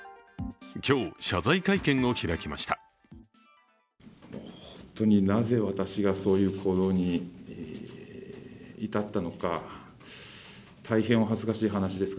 今日、謝罪会見を開きました。